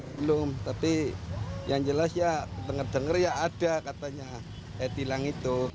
belum tapi yang jelas ya denger dengar ya ada katanya e tilang itu